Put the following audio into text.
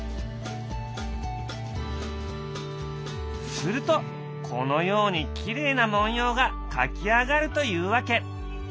するとこのようにきれいな文様が描き上がるというわけ。